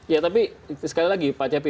ya tapi sekali lagi pak cepi